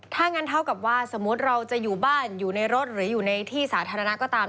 ถ้างั้นเท่ากับว่าสมมุติเราจะอยู่บ้านอยู่ในรถหรืออยู่ในที่สาธารณะก็ตาม